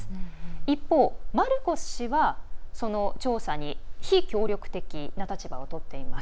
一方、マルコス氏はその調査に非協力的な立場をとっています。